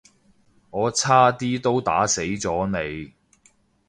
我差啲都打死咗你